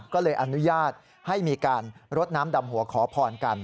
ก็เลยอนุญาตให้มีการรดน้ำดำหัวขอพรกัน